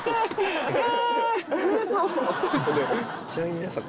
ちなみに皆さん。